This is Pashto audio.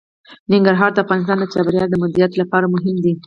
ننګرهار د افغانستان د چاپیریال د مدیریت لپاره مهم دي.